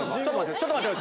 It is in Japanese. ちょっと待って！